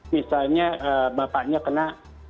misalnya bapaknya kena